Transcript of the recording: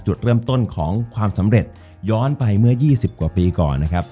จุดเริ่มต้นของความสำเร็จย้อนไปเมื่อ๒๐กว่าปีก่อนนะครับ